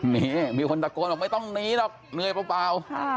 นี่มีคนตะโกนบอกไม่ต้องหนีหรอกเหนื่อยเปล่า